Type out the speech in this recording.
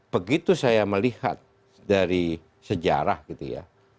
begitu saya melihat dari sejarah gitu ya